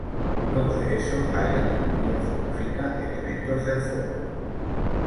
Luego de eso, Hyland incluyó en su música elementos del folk.